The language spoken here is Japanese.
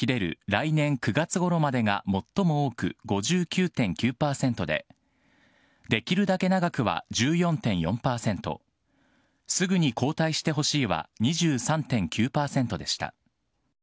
来年９月ごろまでが最も多く５９．９％で、できるだけ長くは１４．４％、すぐに交代してほしいは２３．９％でした。